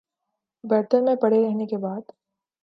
برتن میں پڑے رہنے کے بعد